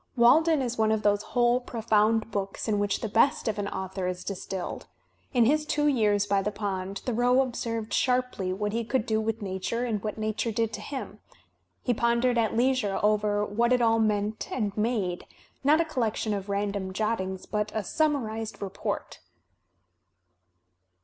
"Walden" is one of those whole, pro found books in which the best of an author is distilled. Li his two years by the pond Thoreau observed sharply what he could do with nature and what nature did to him; he pondered at leisure over what it all meant and made, not a collection of random jottings, but a sununarized report.